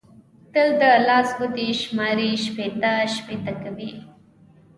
تل د لاس ګوتې شماري؛ شپېته شپېته کوي.